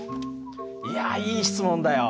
いやいい質問だよ。